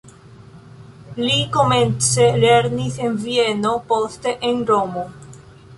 Li komence lernis en Vieno, poste en Romo.